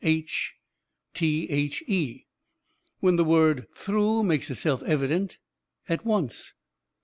h the, when the word 'through' makes itself evident at once.